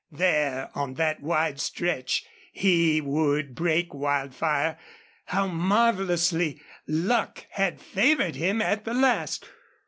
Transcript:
There, on that wide stretch, he would break Wildfire. How marvelously luck had favored him at the last!